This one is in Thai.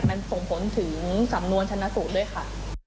มันส่งผลถึงสำนวนชนะสูตรด้วยค่ะ